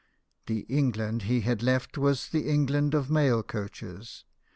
The England he had left was the England of mail coaches.